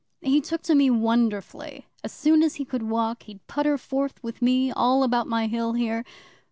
He took to me wonderfully. As soon as he could walk he'd putter forth with me all about my Hill here.